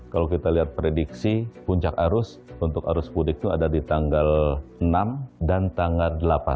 kalau kita lihat prediksi puncak arus untuk arus mudik itu ada di tanggal enam dan tanggal delapan